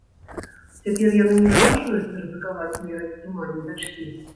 Цяпер яны не наважваюцца рызыкаваць мерай стрымання дачкі.